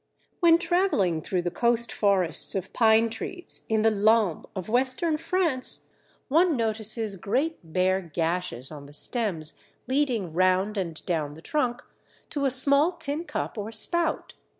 When travelling through the coast forests of pine trees in the Landes of Western France, one notices great bare gashes on the stems leading round and down the trunk to a small tin cup or spout.